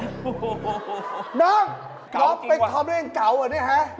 โอ้โหน้องเป็นทอมเล่นเก่าอ่ะนี่ฮะ